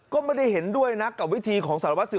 ก็ไม่ได้เห็นด้วยนะกับวิธีของสารวัสสิว